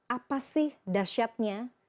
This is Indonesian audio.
apa sih dahsyatnya